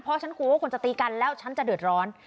เพราะฉันกลัวว่าคนจะตีกันแล้วฉันจะเดือดร้อน